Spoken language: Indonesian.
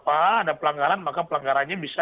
ada pelanggaran maka pelanggarannya bisa